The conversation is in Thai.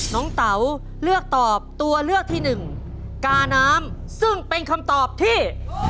เตาเลือกตอบตัวเลือกที่หนึ่งกาน้ำซึ่งเป็นคำตอบที่